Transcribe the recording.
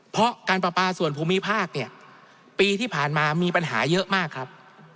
เพราะการประปาส่วนภูมิภาคเนี่ยปีที่ผ่านมามีปัญหาเยอะมากครับ